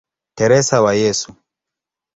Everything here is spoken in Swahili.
Teresa wa Yesu".